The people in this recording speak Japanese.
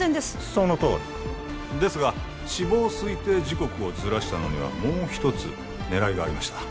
そのとおりですが死亡推定時刻をずらしたのにはもう一つ狙いがありました